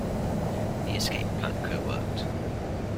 The escape plan could have worked.